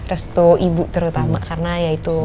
restu ibu terutama karena ya itu